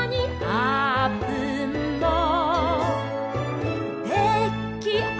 「あーぷんのできあがり」